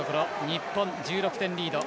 日本、１６点リード。